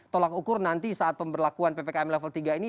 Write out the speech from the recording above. tolak ukur nanti saat pemberlakuan ppkm level tiga ini